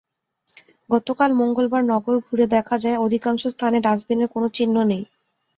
গতকাল মঙ্গলবার নগর ঘুরে দেখা যায়, অধিকাংশ স্থানে ডাস্টবিনের কোনো চিহ্ন নেই।